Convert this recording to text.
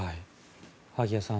萩谷さん